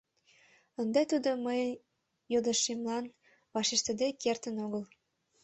Ынде тудо мыйын йодышемлан вашештыде кертын огыл.